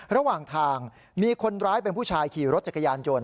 ระหว่างทางมีคนร้ายเป็นผู้ชายขี่รถจักรยานยนต